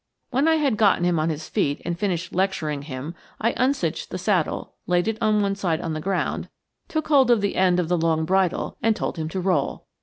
When I had gotten him on his feet and finished lecturing him I uncinched the saddle, laid it one side on the ground, took hold of the end of the long bridle, and told him to roll.